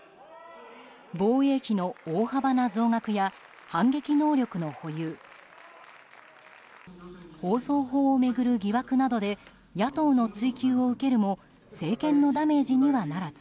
防衛費の大幅な増額や反撃能力の保有放送法を巡る疑惑などで野党の追及を受けるも政権のダメージにはならず。